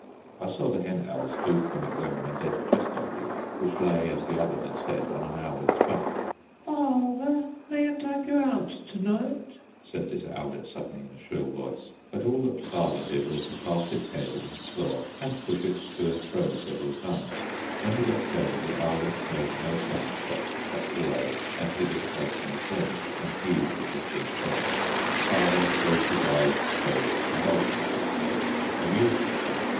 I saw the hen owl stoop and examine a dead chestnut leaf which lay, as the other had said, on an owlet's back. "Fa a ther!" said this owlet suddenly, in a shrill voice, "mayn't I go out to night?" But all that Father did was to clasp its head in his claw and push it to and fro several times. When he let go, the owlet made no sound, but crept away and hid its face in a corner, and heaved as if with sobs. Father closed his eyes slowly and opened them slowly amused, I thought.